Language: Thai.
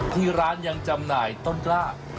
ที่ร้านยังจำหน่ายต้นกล้า